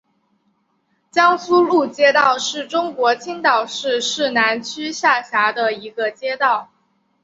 江苏路街道是中国青岛市市南区下辖的一个街道。